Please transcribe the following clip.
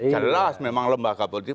jelas memang lembaga politik